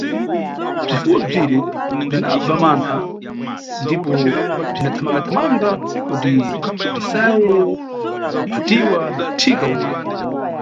Bzifuwo bzire bzinabva mantha ndipo bzikhathamangathamanga kuti bzisaye kuphatiwa na thika ule.